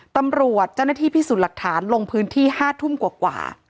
เจ้าหน้าที่พิสูจน์หลักฐานลงพื้นที่๕ทุ่มกว่า